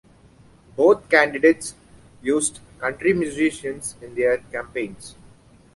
Both candidates used country musicians in their campaigns.